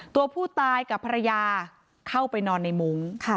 ตัวผู้ตายกับภรรยาเข้าไปนอนในมุ้ง